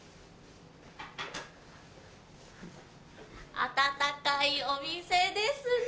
あたたかいお店ですね。